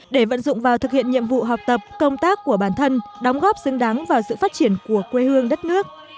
để vận dụng vào thực hiện nhiệm vụ học tập công tác của bản thân đóng góp xứng đáng vào sự phát triển của quê hương đất nước